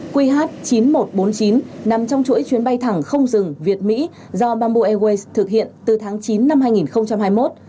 qh chín nghìn một trăm bốn mươi chín nằm trong chuỗi chuyến bay thẳng không dừng việt mỹ do bamboo airways thực hiện từ tháng chín năm hai nghìn hai mươi một